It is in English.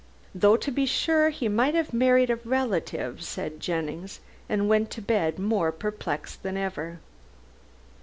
"Though, to be sure, he might have married a relative," said Jennings, and went to bed more perplexed than ever.